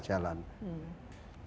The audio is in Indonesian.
wasdalbinnya tidak jalan